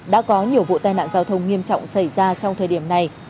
đã có nhiều vụ tai nạn giao thông nghiêm trọng xảy ra trong thời điểm này